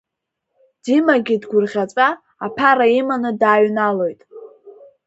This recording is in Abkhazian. Димагьы дгәырӷьаҵәа аԥара иманы дааҩналоит.